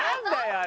あれ。